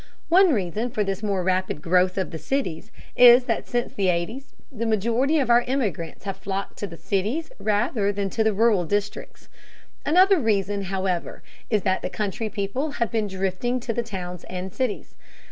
One reason for this more rapid growth of the cities is that since the eighties the majority of our immigrants have flocked to the cities rather than to the rural districts. Another reason, however, is that the country people have been drifting to the towns and cities.